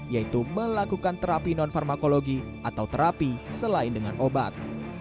yaitu melakukan terapi non farmakologi atau terapi selain dengan obat